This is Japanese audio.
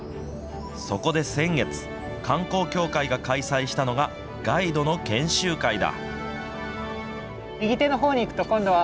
そこで先月、観光協会が開催したのが、ガイドの研修会だ。